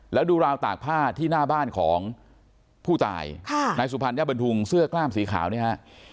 แล้วดูราวตากผ้าที่หน้าบ้านของผู้ตายค่ะนายสุพรรณญาบันทุงเสื้อกล้ามสีขาวเนี่ยฮะ